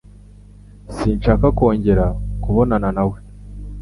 Sinshaka kongera kubonana nawe.